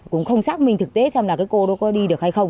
cũng không xác minh thực tế xem là cô có đi được hay không